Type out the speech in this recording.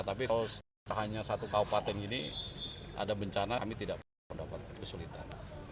tapi kalau hanya satu kabupaten ini ada bencana kami tidak pernah mendapatkan kesulitan